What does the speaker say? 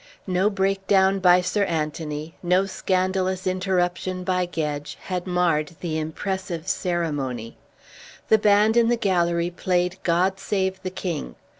No breakdown by Sir Anthony, no scandalous interruption by Gedge, had marred the impressive ceremony. The band in the gallery played "God Save the King."